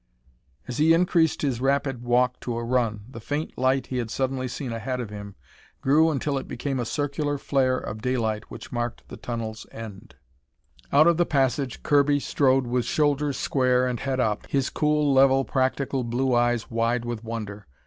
As he increased his rapid walk to a run, the faint light he had suddenly seen ahead of him grew until it became a circular flare of daylight which marked the tunnel's end. Out of the passage Kirby strode with shoulders square and head up, his cool, level, practical blue eyes wide with wonder.